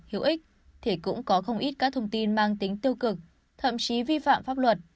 hữu ích thì cũng có không ít các thông tin mang tính tiêu cực thậm chí vi phạm pháp luật